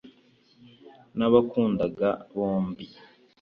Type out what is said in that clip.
nabakundaga bombi